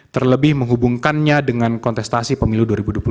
terlebih menghubungkannya dengan kontestasi pemilu dua ribu dua puluh